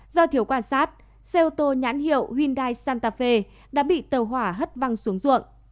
do thiếu quan sát xe ô tô nhãn hiệu hyundai santafe đã bị tàu hỏa hất văng xuống ruộng